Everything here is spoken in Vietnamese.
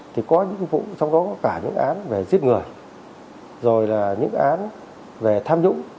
thì có những vụ trong đó có cả những án về giết người rồi là những án về tham nhũng